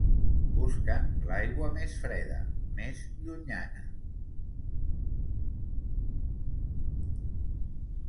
Busquen l'aigua més freda, més llunyana.